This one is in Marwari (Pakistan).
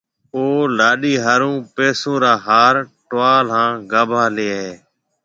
او لاڏَي ھارو پيسون را ھار، ٽوال ھان گاڀا ليائيَ ھيَََ